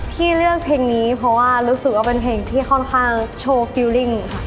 ที่เลือกเพลงนี้เพราะว่ารู้สึกว่าเป็นเพลงที่ค่อนข้างโชว์ฟิลลิ่งค่ะ